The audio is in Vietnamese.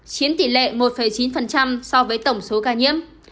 chiếm tỷ lệ một chín so với tổng số ca nhiễm